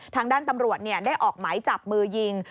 ทางด้านตำรวจได้ออกหมายจับมือยิง